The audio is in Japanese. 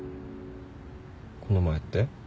この前って？